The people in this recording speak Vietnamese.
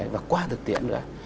và qua thực tiễn nữa